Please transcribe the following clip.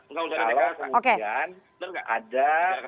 kalau kemudian ada